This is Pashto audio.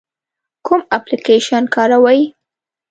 کوم اپلیکیشن کاروئ؟